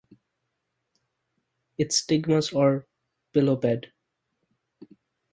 Its stigmas are bilobed.